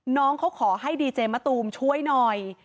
น้องเขาขอให้ดีเจมะตูมช่วยหน่อย